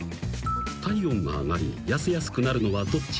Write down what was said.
［体温が上がり痩せやすくなるのはどっち？］